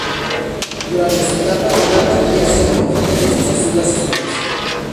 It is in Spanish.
Durante su etapa como sevillista fue objeto de sucesivas cesiones.